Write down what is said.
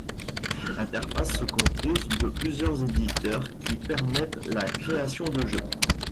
L'interface se compose de plusieurs éditeurs, qui permettent la création du jeu.